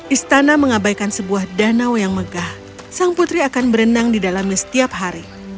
istana mengabaikan sebuah danau yang megah sang putri akan berenang di dalamnya setiap hari